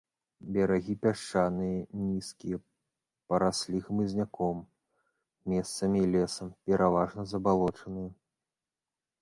Берагі пясчаныя, нізкія, параслі хмызняком, месцамі лесам, пераважна забалочаныя.